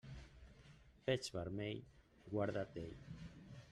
Peix vermell, guarda't d'ell.